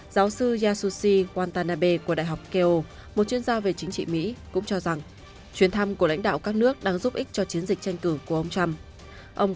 giáo sư yasushi kwantanabe của đại học keo một chuyên gia về chính trị mỹ cũng cho rằng chuyến thăm của lãnh đạo các nước đang giúp ích cho chiến dịch tranh cử của ông trump